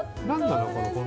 何なの？